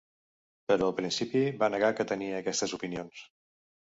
Però al principi va negar que tenia aquestes opinions.